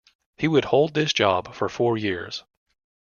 He would hold this job for four years.